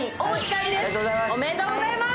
ありがとうございます。